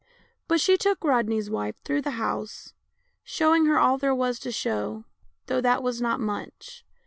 But she took Rodney's wife through the UNCLE JIM 191 house, showing her all there was to show, though that was not much.